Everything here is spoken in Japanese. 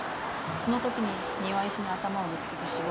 そのときに庭石に頭をぶつけて死亡。